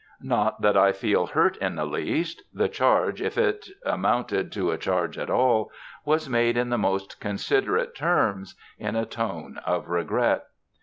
Not that I feel hurt in the least. The charge if it amounted to a charge at all was made in the most considerate terms; in a tone of regret.